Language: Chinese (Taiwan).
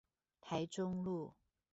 台中路